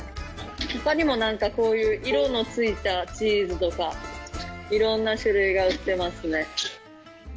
他にもこういう色の付いたチーズとかいろんな種類が売ってますね。